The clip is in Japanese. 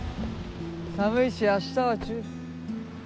寒いし明日は中止。